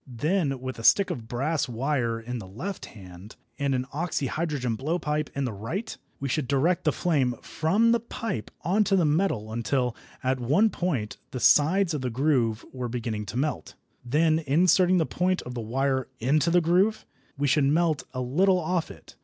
Then with a stick of brass wire in the left hand, and an oxyhydrogen blowpipe in the right, we should direct the flame from the pipe on to the metal until, at one point, the sides of the groove were beginning to melt. Then, inserting the point of the wire into the groove, we should melt a little off it.